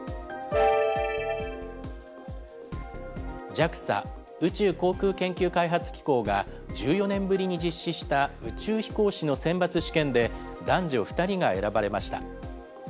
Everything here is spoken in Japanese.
ＪＡＸＡ・宇宙航空研究開発機構が１４年ぶりに実施した宇宙飛行士の選抜試験で、男女２人が選ばれました。